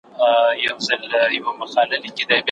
پلار وویل چي دوام مهم دی.